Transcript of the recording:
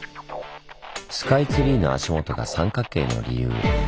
スカイツリーの足元が三角形の理由。